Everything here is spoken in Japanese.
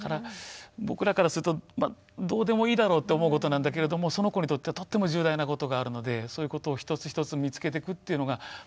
僕らからするとどうでもいいだろうって思うことなんだけれどもその子にとってはとっても重大なことがあるのでそういうことを一つ一つ見つけていくっていうのが